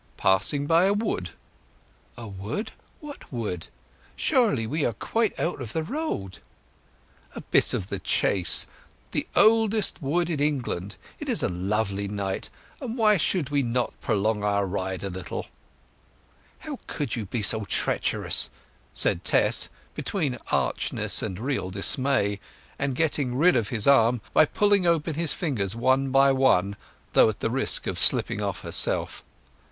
"Passing by a wood." "A wood—what wood? Surely we are quite out of the road?" "A bit of The Chase—the oldest wood in England. It is a lovely night, and why should we not prolong our ride a little?" "How could you be so treacherous!" said Tess, between archness and real dismay, and getting rid of his arm by pulling open his fingers one by one, though at the risk of slipping off herself.